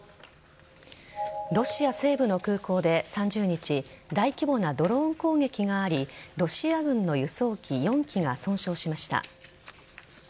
ロシア西部の空港で３０日大規模なドローン攻撃がありロシア軍の輸送機４機が損傷しました。